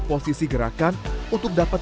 posisi gerakan untuk dapat